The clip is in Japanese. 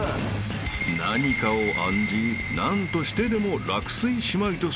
［何かを案じ何としてでも落水しまいとする３人］